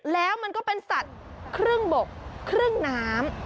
แล้วมันก็เป็นสัตว์ครึ่งบกครึ่งน้ำ